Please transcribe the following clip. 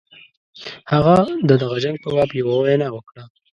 هغه د دغه جنګ په باب یوه وینا وکړه.